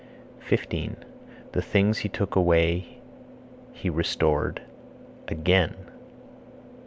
15. The things he took away he restored (again).